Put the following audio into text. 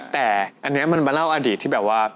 แต่อันนี้มันมาเล่าอดีตที่แบบว่า